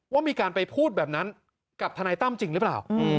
ว่ามีการไปพูดแบบนั้นกับทนายตั้มจริงหรือเปล่า